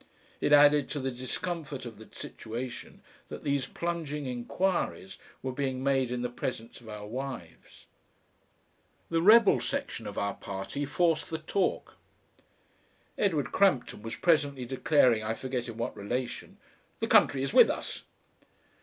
It added to the discomfort of the situation that these plunging enquiries were being made in the presence of our wives. The rebel section of our party forced the talk. Edward Crampton was presently declaring I forget in what relation: "The country is with us."